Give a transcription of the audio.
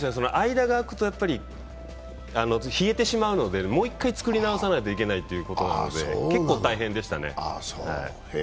間があくと冷えてしまうので、もう一回作り直さないといけないので結構、大変でしたね。